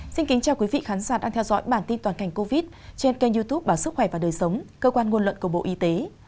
xin kính chào quý vị khán giả đang theo dõi bản tin toàn cảnh covid trên kênh youtube báo sức khỏe và đời sống cơ quan ngôn luận của bộ y tế